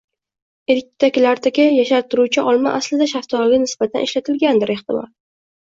Ertaklardagi “yashartiruvchi olma” aslida shaftoliga nisbatan ishlatilgandir, ehtimol